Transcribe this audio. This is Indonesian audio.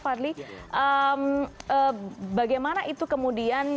bagaimana itu kemudian